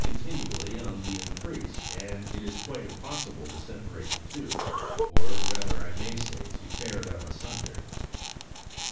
219 continually on the increase, and it is quite impossible to sepa rate the two, or rather, I may say, to tear them asunder.